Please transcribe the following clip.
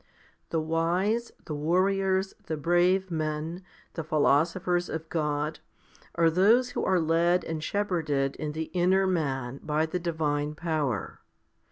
The wise, the warriors, the brave men, the philosophers of God, are those who are led and shepherded in the inner man by the divine power.